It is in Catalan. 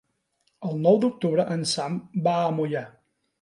El nou d'octubre en Sam va a Moià.